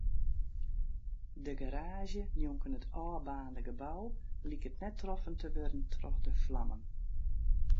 De garaazje njonken it ôfbaarnde gebou liket net troffen te wurden troch de flammen.